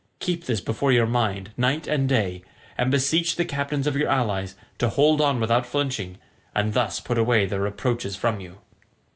Keep this before your mind night and day, and beseech the captains of your allies to hold on without flinching, and thus put away their reproaches from you."